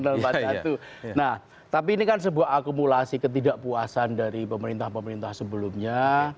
nah tapi ini kan sebuah akumulasi ketidakpuasan dari pemerintah pemerintah sebelumnya